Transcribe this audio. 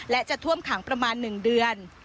และจะท่วมขังประมาณ๑เดือน